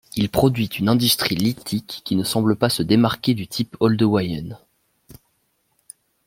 Il produit une industrie lithique qui ne semble pas se démarquer du type oldowayen.